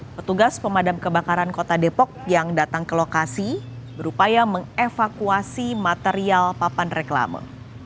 petugas pemadam kebakaran kota depok yang datang ke lokasi berupaya mengevakuasi material papan reklama